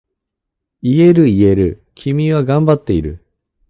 言える言える、君は頑張っている。